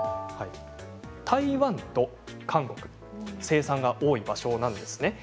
台湾と韓国生産が多い場所なんですね。